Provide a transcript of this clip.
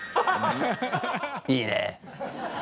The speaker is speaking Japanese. いいね。